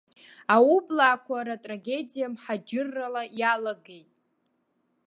Аублаақәа ртрагедиа мҳаџьыррала иалагеит.